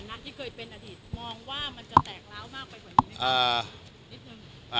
ในฐานะที่เคยเป็นอดีตมองว่ามันจะแตกล้าวมากไปกว่านี้ไหมครับ